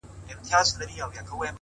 • د سترګو کي ستا د مخ سُرخي ده؛